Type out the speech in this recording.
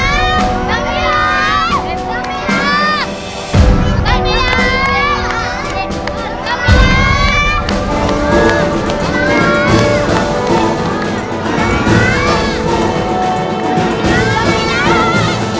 ขอบคุณครับขอบคุณครับ